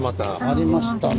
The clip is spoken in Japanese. ありましたね。